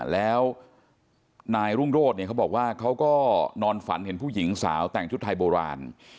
แล้วนายรุ่งโรธเนี่ยเขาบอกว่าเขาก็นอนฝันเห็นผู้หญิงสาวแต่งชุดไทยโบราณ